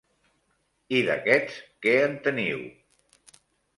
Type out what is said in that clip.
I d'aquests, que en teniu?